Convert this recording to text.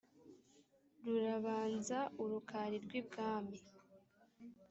rurabanza u rukari rw'i bwami